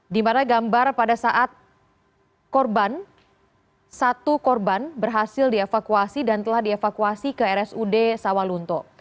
di mana gambar pada saat korban satu korban berhasil dievakuasi dan telah dievakuasi ke rsud sawalunto